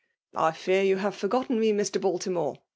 " I fear j^ou have fo]:;gotten me> Mr. Baltimore?